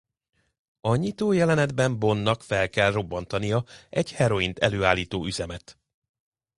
A nyitó jelenetben Bondnak fel kell robbantania egy heroint előállító üzemet.